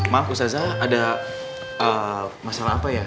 maaf ustazah ada masalah apa ya